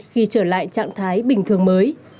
khi trở lại trạng thái bình thường mới